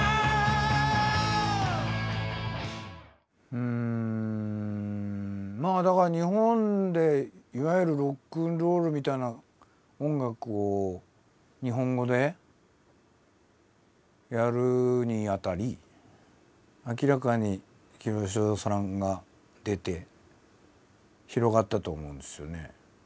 うんまあだから日本でいわゆるロックンロールみたいな音楽を日本語でやるにあたり明らかに清志郎さんが出て広がったと思うんですよね。